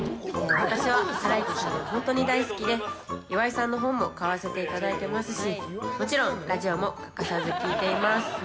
私はハライチさんが本当に大好きで岩井さんの本も買わせていただいてますしもちろん、ラジオも欠かさず聴いています。